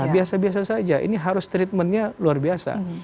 biasa biasa saja ini harus treatmentnya luar biasa